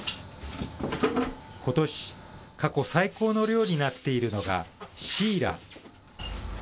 ことし、過去最高の漁になっているのが、シイラ。